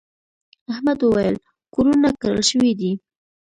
احمد وويل: کورونه کرل شوي دي.